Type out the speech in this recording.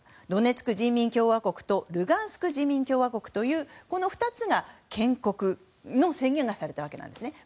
ドネツク人民共和国とルガンスク人民共和国という２つが建国の宣言がされたわけなんです。